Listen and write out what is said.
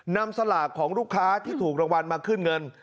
สลากของลูกค้าที่ถูกรางวัลมาขึ้นเงิน